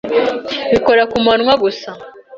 Bakora kumanywa gusa.